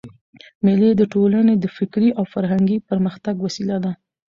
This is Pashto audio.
مېلې د ټولني د فکري او فرهنګي پرمختګ وسیله ده.